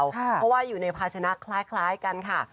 เพราะว่าอยู่ในภาชนะคล้ายกันค่ะ